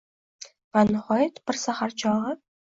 Va, nihoyat, bir sahar chog‘i